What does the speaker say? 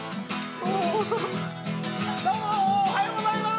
どうもおはようございます。